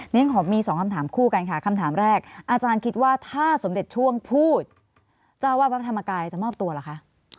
ฉันขอมีสองคำถามคู่กันค่ะคำถามแรกอาจารย์คิดว่าถ้าสมเด็จช่วงพูดเจ้าวาดวัดพระธรรมกายจะมอบตัวเหรอคะ